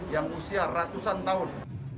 dan bisa menjadi senjata yang sangat berharga